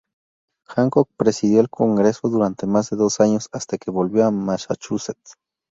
Hancock presidió el Congreso durante más de dos años hasta que volvió a Massachusetts.